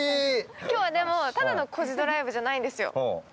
今日はただの「コジドライブ」じゃないんですよ。